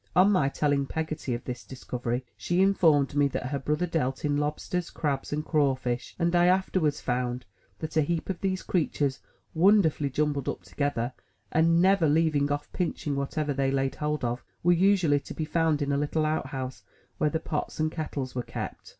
On my telling Peggotty of this discovery, she informed me that her brother dealt in lob sters, crabs, and crawfish; and I afterwards found that a heap of these creatures, wonderfully jumbled up together, and never leaving off pinching whatever they laid hold of, were usually to be found in a httle out house where the pots and kettles were kept.